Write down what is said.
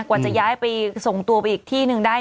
กว่าจะย้ายไปส่งตัวไปอีกที่หนึ่งได้